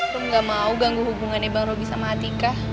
rum gak mau ganggu hubungannya bang robby sama atika